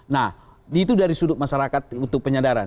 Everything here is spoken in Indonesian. nah itu dari sudut masyarakat untuk penyadaran